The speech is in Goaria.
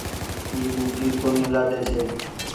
اي ٻوٽي ڪونيٚ لآۮي ڇي